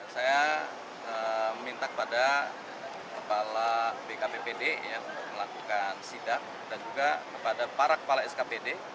saya minta kepada kepala bkppd untuk melakukan sidak dan juga kepada para kepala skpd